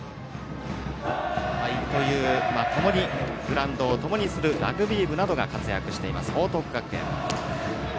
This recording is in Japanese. グラウンドをともにするラグビー部などが活躍している報徳学園。